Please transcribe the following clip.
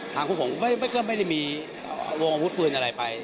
ทางครูหงค์ก็ไม่ได้มีวงอาวุธปืนอะไรไป